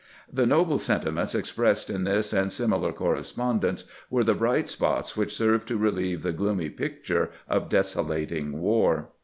The noble sentiments expressed in this and similar correspondence were the bright spots which served to relieve the gloomy picture of desolating war.